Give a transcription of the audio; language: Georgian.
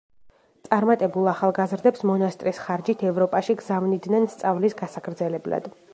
წარმატებულ ახალგაზრდებს მონასტრის ხარჯით ევროპაში გზავნიდნენ სწავლის გასაგრძელებლად.